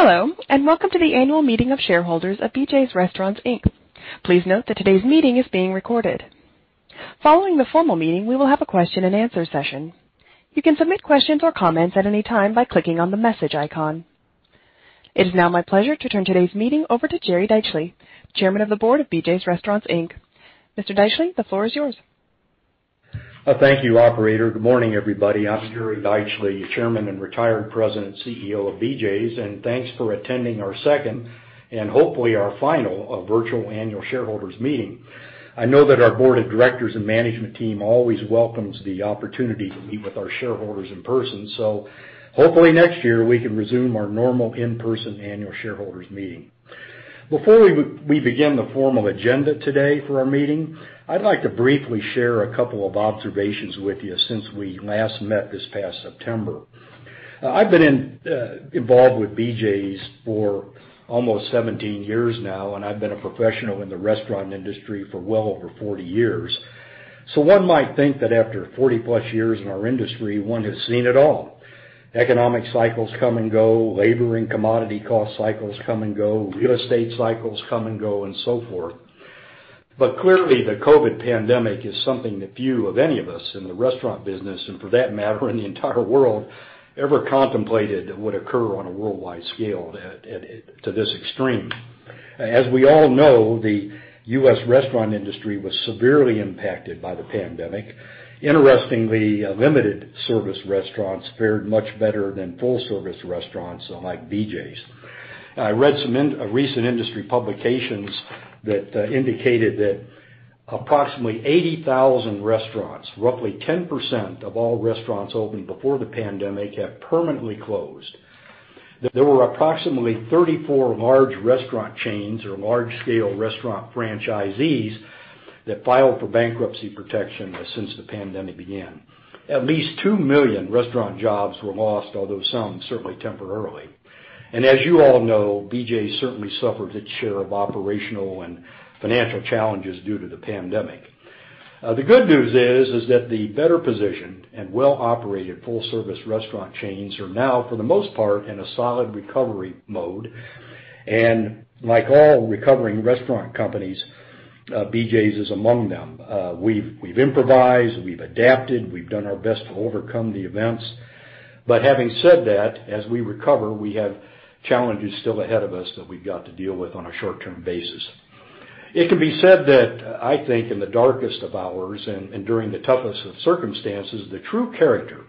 Hello, and welcome to the annual meeting of shareholders of BJ's Restaurants, Inc. Please note that today's meeting is being recorded. Following the formal meeting, we will have a question and answer session. You can submit questions or comments at any time by clicking on the message icon. It is now my pleasure to turn today's meeting over to Jerry Deitchle, Chairman of the Board of BJ's Restaurants, Inc. Mr. Deitchle, the floor is yours. Thank you, operator. Good morning, everybody. I'm Jerry Deitchle, Chairman and retired President and CEO of BJ's, thanks for attending our second, and hopefully our final, virtual Annual Shareholders Meeting. I know that our Board of Directors and Management Team always welcomes the opportunity to meet with our shareholders in person, hopefully next year we can resume our normal in-person Annual Shareholders Meeting. Before we begin the formal agenda today for our meeting, I'd like to briefly share a couple of observations with you since we last met this past September. I've been involved with BJ's for almost 17 years now, I've been a professional in the restaurant industry for well over 40 years. One might think that after 40+ years in our industry, one has seen it all. Economic cycles come and go, labor and commodity cost cycles come and go, real estate cycles come and go, and so forth. Clearly, the COVID pandemic is something that few of any of us in the restaurant business, and for that matter, in the entire world, ever contemplated that would occur on a worldwide scale to this extreme. As we all know, the U.S. restaurant industry was severely impacted by the pandemic. Interestingly, limited service restaurants fared much better than full-service restaurants like BJ's. I read some recent industry publications that indicated that approximately 80,000 restaurants, roughly 10% of all restaurants open before the pandemic, have permanently closed. There were approximately 34 large restaurant chains or large-scale restaurant franchisees that filed for bankruptcy protection since the pandemic began. At least two million restaurant jobs were lost, although some certainly temporarily. As you all know, BJ's certainly suffered its share of operational and financial challenges due to the pandemic. The good news is that the better positioned and well-operated full-service restaurant chains are now, for the most part, in a solid recovery mode. Like all recovering restaurant companies, BJ's is among them. We've improvised, we've adapted, we've done our best to overcome the events. Having said that, as we recover, we have challenges still ahead of us that we've got to deal with on a short-term basis. It can be said that I think in the darkest of hours and during the toughest of circumstances, the true character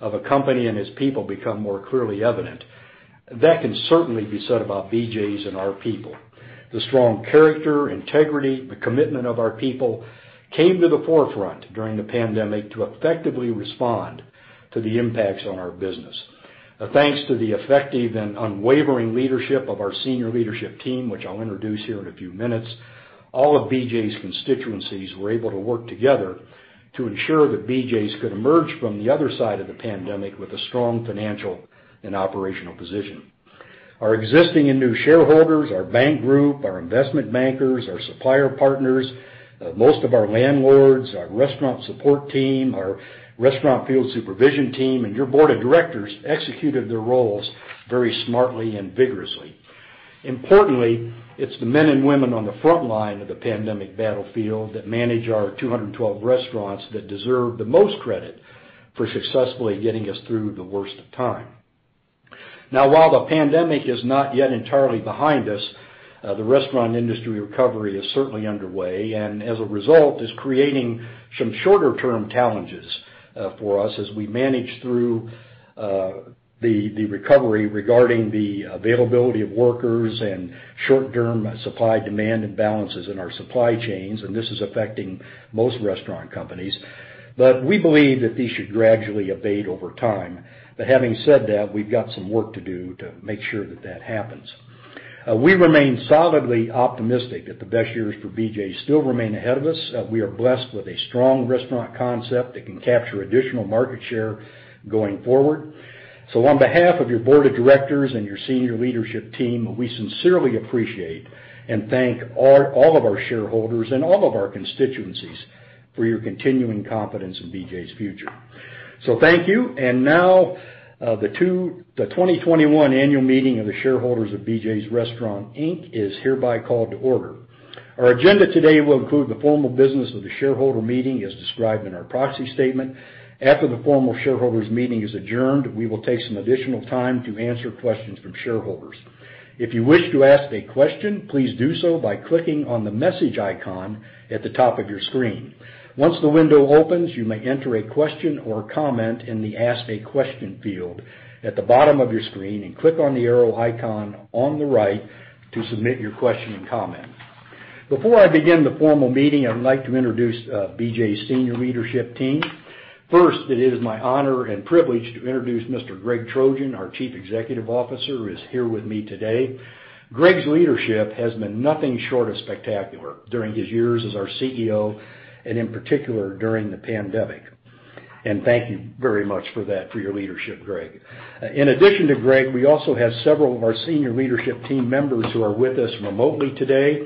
of a company and its people become more clearly evident. That can certainly be said about BJ's and our people. The strong character, integrity, the commitment of our people came to the forefront during the pandemic to effectively respond to the impacts on our business. Thanks to the effective and unwavering leadership of our senior leadership team, which I'll introduce here in a few minutes, all of BJ's constituencies were able to work together to ensure that BJ's could emerge from the other side of the pandemic with a strong financial and operational position. Our existing and new shareholders, our bank group, our investment bankers, our supplier partners, most of our landlords, our restaurant support team, our restaurant field supervision team, and your board of directors executed their roles very smartly and vigorously. Importantly, it's the men and women on the frontline of the pandemic battlefield that manage our 212 restaurants that deserve the most credit for successfully getting us through the worst of time. While the pandemic is not yet entirely behind us, the restaurant industry recovery is certainly underway, and as a result, is creating some shorter-term challenges for us as we manage through the recovery regarding the availability of workers and short-term supply demand imbalances in our supply chains, and this is affecting most restaurant companies. We believe that these should gradually abate over time. Having said that, we've got some work to do to make sure that that happens. We remain solidly optimistic that the best years for BJ's still remain ahead of us. We are blessed with a strong restaurant concept that can capture additional market share going forward. On behalf of your board of directors and your senior leadership team, we sincerely appreciate and thank all of our shareholders and all of our constituencies for your continuing confidence in BJ's future. Thank you. The 2021 annual meeting of the shareholders of BJ's Restaurants, Inc. is hereby called to order. Our agenda today will include the formal business of the shareholder meeting as described in our proxy statement. After the formal shareholders meeting is adjourned, we will take some additional time to answer questions from shareholders. If you wish to ask a question, please do so by clicking on the message icon at the top of your screen. Once the window opens, you may enter a question or comment in the Ask a Question field at the bottom of your screen, and click on the arrow icon on the right to submit your question and comment. Before I begin the formal meeting, I'd like to introduce BJ's senior leadership team. First, it is my honor and privilege to introduce Mr. Greg Trojan, our Chief Executive Officer, who is here with me today. Greg's leadership has been nothing short of spectacular during his years as our CEO, and in particular during the pandemic. Thank you very much for that, for your leadership, Greg. In addition to Greg, we also have several of our senior leadership team members who are with us remotely today.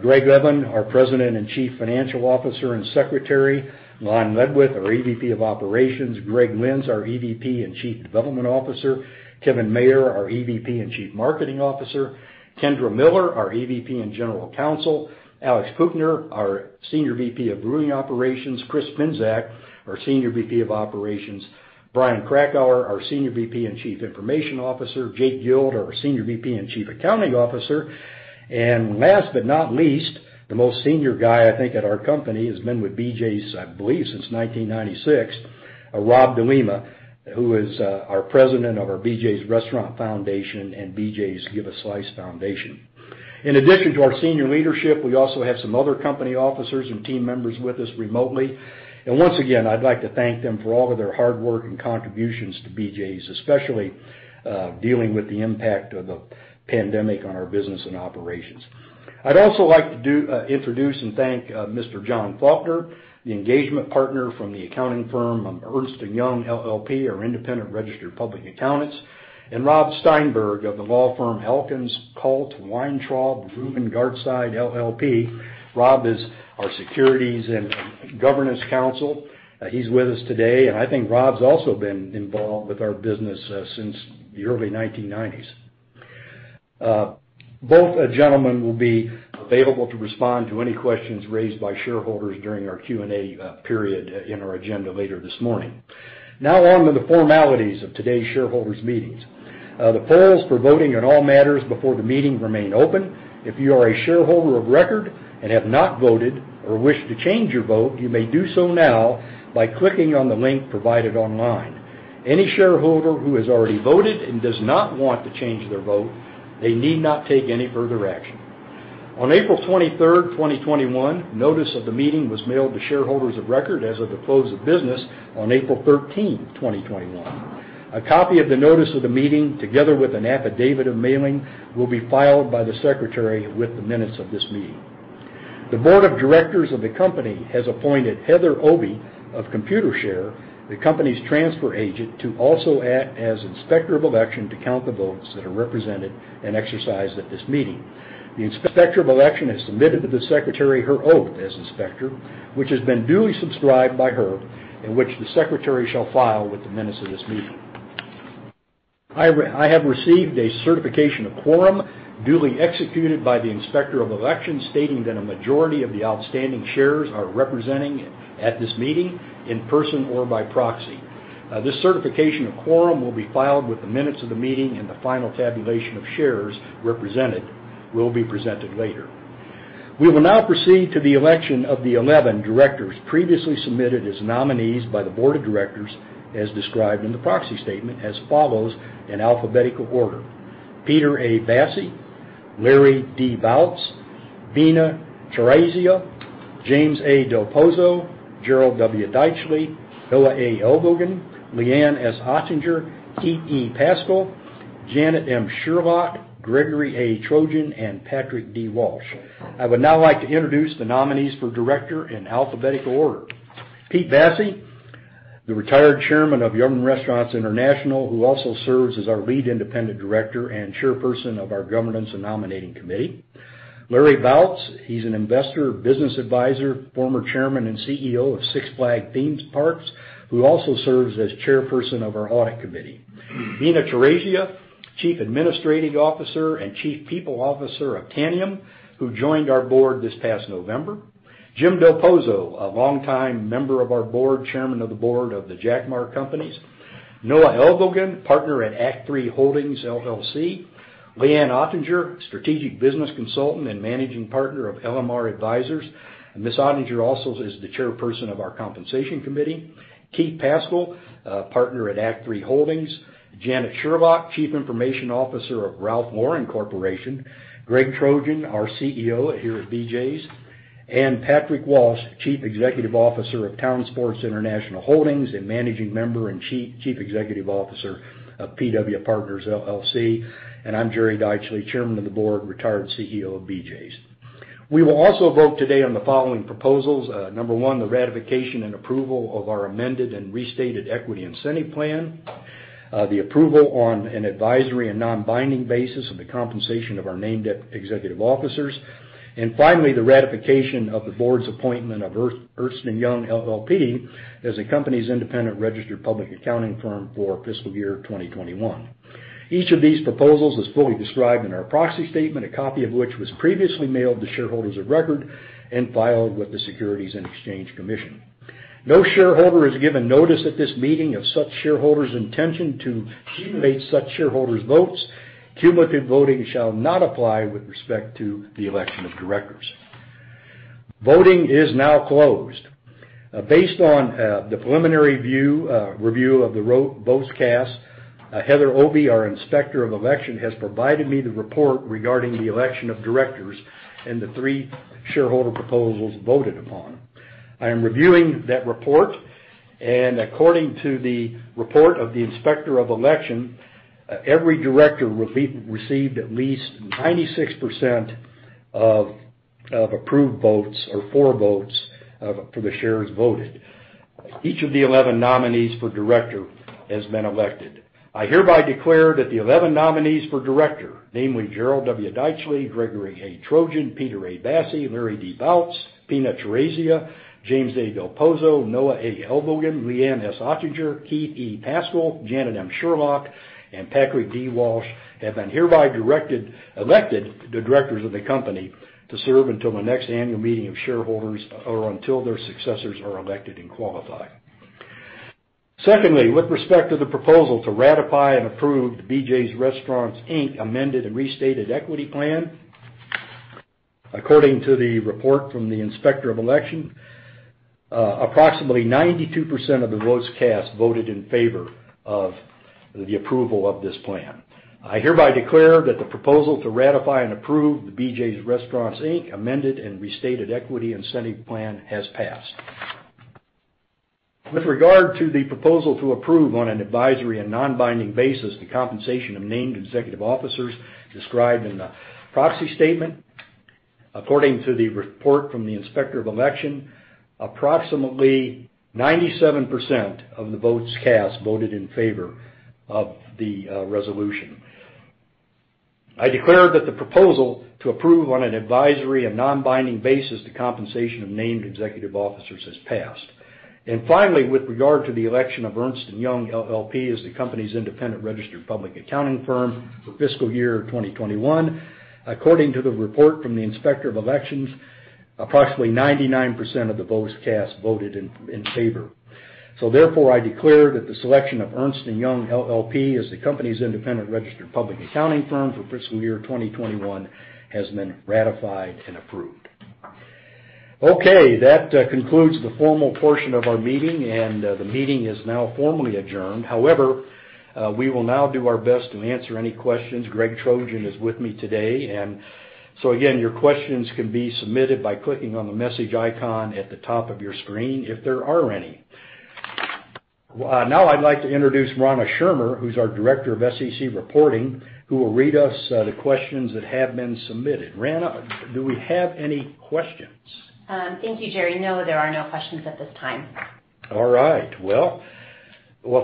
Greg Levin, our President and Chief Financial Officer and Secretary, Lon Ledwith, our EVP of Operations, Greg Lynds, our EVP and Chief Development Officer, Kevin Mayer, our EVP and Chief Marketing Officer, Kendra Miller, our EVP and General Counsel, Alex Puchner, our Senior VP of Brewing Operations, Chris Pinsak, our Senior VP of Operations, Brian Krakower, our Senior VP and Chief Information Officer, Jake Guild, our Senior VP and Chief Accounting Officer, and last but not least, the most senior guy I think at our company, has been with BJ's, I believe since 1996, Rob DeLiema, who is our President of our BJ's Restaurants Foundation and BJ's Give a Slice Foundation. In addition to our senior leadership, we also have some other company officers and team members with us remotely. Once again, I'd like to thank them for all of their hard work and contributions to BJ's, especially dealing with the impact of the pandemic on our business and operations. I'd also like to introduce and thank Mr. John Faulkner, the engagement partner from the accounting firm of Ernst & Young LLP, our independent registered public accountants, and Rob Steinberg of the law firm Elkins Kalt Weintraub Reuben Gartside LLP. Rob is our securities and governance counsel. He's with us today, I think Rob's also been involved with our business since the early 1990s. Both gentlemen will be available to respond to any questions raised by shareholders during our Q&A period in our agenda later this morning. On to the formalities of today's shareholders meetings. The polls for voting on all matters before the meeting remain open. If you are a shareholder of record and have not voted or wish to change your vote, you may do so now by clicking on the link provided online. Any shareholder who has already voted and does not want to change their vote, they need not take any further action. On April 23rd, 2021, notice of the meeting was mailed to shareholders of record as of the close of business on April 13th, 2021. A copy of the notice of the meeting, together with an affidavit of mailing, will be filed by the secretary with the minutes of this meeting. The board of directors of the company has appointed Heather Obi of Computershare, the company's transfer agent, to also act as Inspector of Election to count the votes that are represented and exercised at this meeting. The inspector of election has submitted to the secretary her oath as inspector, which has been duly subscribed by her, and which the secretary shall file with the minutes of this meeting. I have received a certification of quorum duly executed by the inspector of election, stating that a majority of the outstanding shares are representing at this meeting in person or by proxy. This certification of quorum will be filed with the minutes of the meeting, and the final tabulation of shares represented will be presented later. We will now proceed to the election of the 11 directors previously submitted as nominees by the board of directors as described in the proxy statement as follows in alphabetical order: Peter A. Bassi, Larry D. Bouts, Bina Chaurasia, James A. Dal Pozzo, Gerald W. Deitchle, Noah A. Elbogen, Lea Anne S. Ottinger, Keith E. Pascal, Janet M. Sherlock, Gregory A. Trojan, and Patrick D. Walsh. I would now like to introduce the nominees for director in alphabetical order. Pete Bassi, the retired chairman of Yum! Restaurants International, who also serves as our lead independent director and chairperson of our governance and nominating committee. Larry D. Bouts, he's an investor, business advisor, former chairman, and CEO of Six Flags Theme Parks, who also serves as chairperson of our audit committee. Bina Chaurasia, chief administrative officer and chief people officer of Tanium, who joined our board this past November. Jim Dal Pozzo, a longtime member of our board, chairman of the board of the Jacmar Companies. Noah A. Elbogen, partner at Act III Holdings, LLC. Lea Anne S. Ottinger, strategic business consultant and managing partner of LMR Advisors. Ms. Ottinger also is the chairperson of our compensation committee. Keith E. Pascal, partner at Act III Holdings. Janet Sherlock, chief information officer of Ralph Lauren Corporation. Greg Trojan, our CEO here at BJ's. Patrick Walsh, Chief Executive Officer of Town Sports International Holdings and Managing Member and Chief Executive Officer of PW Partners, LLC. I'm Jerry Deitchle, Chairman of the Board, retired CEO of BJ's. We will also vote today on the following proposals. Number 1, the ratification and approval of our amended and restated equity incentive plan, the approval on an advisory and non-binding basis of the compensation of our named executive officers, and finally, the ratification of the board's appointment of Ernst & Young LLP as the company's independent registered public accounting firm for fiscal year 2021. Each of these proposals is fully described in our proxy statement, a copy of which was previously mailed to shareholders of record and filed with the Securities and Exchange Commission. No shareholder has given notice at this meeting of such shareholder's intention to cumulate such shareholder's votes. Cumulative voting shall not apply with respect to the election of directors. Voting is now closed. Based on the preliminary review of the votes cast, Heather Obi, our inspector of election, has provided me the report regarding the election of directors and the three shareholder proposals voted upon. I am reviewing that report, and according to the report of the inspector of election, every director received at least 96% of approved votes or for votes for the shares voted. Each of the 11 nominees for director has been elected. I hereby declare that the 11 nominees for director, namely Gerald W. Deitchle, Gregory A. Trojan, Peter A. Bassi, Larry D. Bouts, Bina Chaurasia, James A. Dal Pozzo, Noah A. Elbogen, Lea Anne S. Ottinger, Keith E. Pascal, Janet M. Sherlock, and Patrick D. Walsh. Walsh, have been hereby elected to the directors of the company to serve until the next annual meeting of shareholders or until their successors are elected and qualify. Secondly, with respect to the proposal to ratify and approve BJ's Restaurants, Inc. amended and restated equity plan, according to the report from the Inspector of Election, approximately 92% of the votes cast voted in favor of the approval of this plan. I hereby declare that the proposal to ratify and approve the BJ's Restaurants, Inc. amended and restated equity incentive plan has passed. With regard to the proposal to approve on an advisory and non-binding basis the compensation of named executive officers described in the proxy statement, according to the report from the Inspector of Election, approximately 97% of the votes cast voted in favor of the resolution. I declare that the proposal to approve on an advisory and non-binding basis the compensation of named executive officers has passed. Finally, with regard to the election of Ernst & Young LLP as the company's independent registered public accounting firm for fiscal year 2021, according to the report from the Inspector of Elections, approximately 99% of the votes cast voted in favor. Therefore, I declare that the selection of Ernst & Young LLP as the company's independent registered public accounting firm for fiscal year 2021 has been ratified and approved. Okay, that concludes the formal portion of our meeting, and the meeting is now formally adjourned. However, we will now do our best to answer any questions. Greg Trojan is with me today. Again, your questions can be submitted by clicking on the message icon at the top of your screen if there are any. Now I'd like to introduce Rana Schirmer, who's our Director of SEC Reporting, who will read us the questions that have been submitted. Rana, do we have any questions? Thank you, Jerry. No, there are no questions at this time. All right. Well,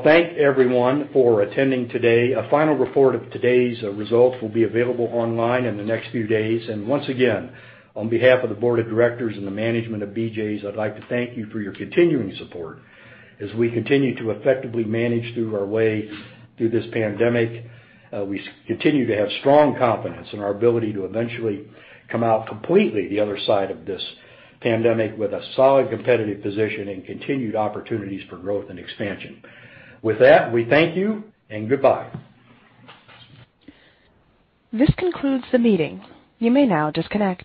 thank everyone for attending today. A final report of today's results will be available online in the next few days. Once again, on behalf of the board of directors and the management of BJ's, I'd like to thank you for your continuing support as we continue to effectively manage through our way through this pandemic. We continue to have strong confidence in our ability to eventually come out completely the other side of this pandemic with a solid competitive position and continued opportunities for growth and expansion. With that, we thank you and goodbye. This concludes the meeting. You may now disconnect.